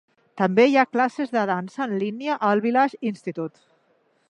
També hi ha classes de dansa en línia al Village Institute.